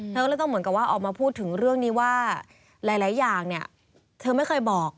เธอต้องจะออกมาพูดถึงเรื่องนี้อะไรหลายอย่างเธอไม่เคยบอก